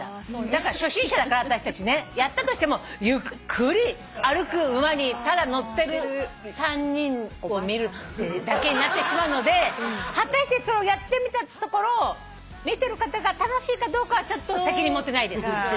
だから初心者だから私たちねやったとしてもゆっくり歩く馬にただ乗ってる３人を見るだけになってしまうので果たしてそれをやってみたところ見てる方が楽しいかどうかはちょっと責任持てないです。